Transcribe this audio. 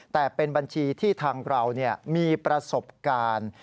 แต่เป็นบัญชีที่ทางเรามีประสบการณ์